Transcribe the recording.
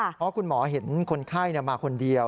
เพราะคุณหมอเห็นคนไข้มาคนเดียว